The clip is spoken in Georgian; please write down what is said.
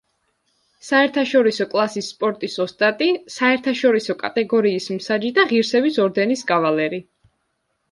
საერთაშორისო კლასის სპორტის ოსტატი, საერთაშორისო კატეგორიის მსაჯი და ღირსების ორდენის კავალერი.